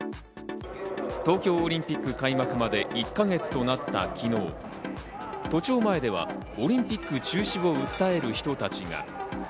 東京オリンピック開幕まで１か月となった昨日、都庁前ではオリンピック中止を訴える人たちが。